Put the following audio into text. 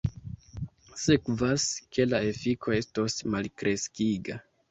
Sekvas ke la efiko estos malkreskiga.